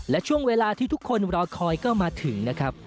และช่วงเวลาที่ทุกคนรอคอยก็มาถึงนะครับ